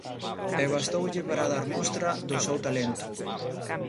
E bastoulle para dar mostra do seu talento.